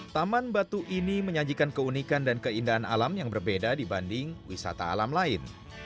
taman batu ini menyajikan keunikan dan keindahan alam yang berbeda dibanding wisata alam lain